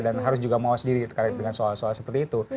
dan harus juga mengawas diri terkait dengan soal soal seperti itu